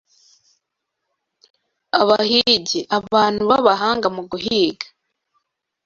Abahigi: abantu b’abahanga mu guhiga